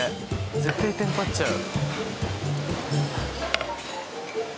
絶対テンパっちゃう。